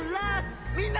みんなで！」